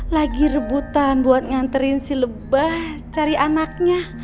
lagi rebutan buat nganterin si lebah cari anaknya